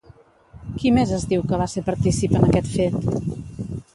Qui més es diu que va ser partícip en aquest fet?